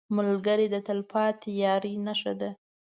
ملګری د تلپاتې یارۍ نښه ده